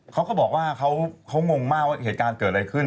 เขาก็บอกว่าเขางงมากว่าเหตุการณ์เกิดอะไรขึ้น